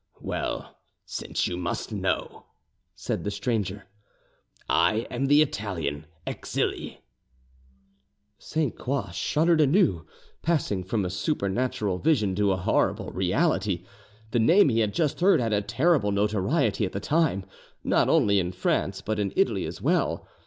"Well, since you must know," said the stranger, "I am the Italian Exili." Sainte Croix shuddered anew, passing from a supernatural vision to a horrible reality. The name he had just heard had a terrible notoriety at the time, not only in France but in Italy as well.